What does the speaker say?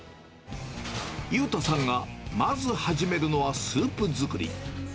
祐太さんがまず始めるのはスープ作り。